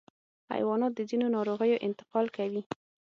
حیوانات د ځینو ناروغیو انتقال کوي.